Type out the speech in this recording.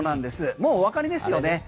もうおわかりですよね？